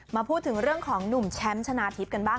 มาถึงเรื่องของหนุ่มแชมป์ชนะทิพย์กันบ้าง